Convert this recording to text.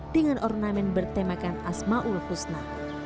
dengan ornamen bertemakan asma'ul husna